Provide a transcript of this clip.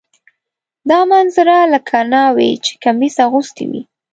دا منظره لکه ناوې چې کمیس اغوستی وي.